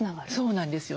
そうなんですよ。